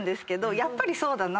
「やっぱりそうだな」